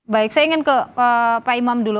baik saya ingin ke pak imam dulu